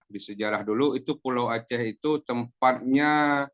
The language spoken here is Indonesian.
di sejarah dulu itu pulau aceh itu tempatnya